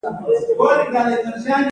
لیدل مهم دی.